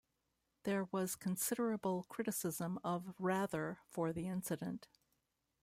There was considerable criticism of Rather for the incident.